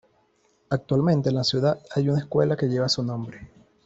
Actualmente en la ciudad hay una escuela que lleva su nombre.